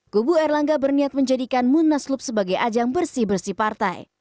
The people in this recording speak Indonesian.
kubu erlangga berniat menjadikan munaslup sebagai ajang bersih bersih partai